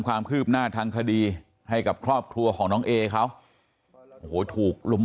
ความคืบหน้าทางคดีให้กับครอบครัวของน้องเอเขาโอ้โหถูกลุม